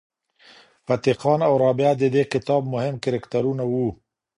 فتح خان او رابعه د دې کتاب مهم کرکټرونه وو.